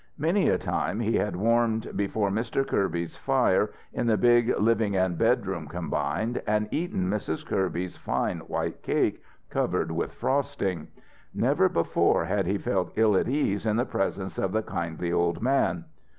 Many a time he had warmed before Mr. Kirby's fire in the big living and bedroom combined, and eaten Mrs. Kirby's fine white cake covered with frosting. Never before had he felt ill at ease in the presence of the kindly old man.